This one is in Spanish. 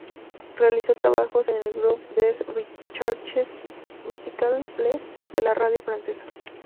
Realizó trabajos en el Groupe des Recherches Musicales de la radio francesa.